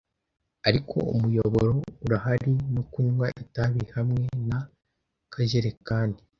Ariko umuyoboro urahari no kunywa itabi hamwe na kajerekani.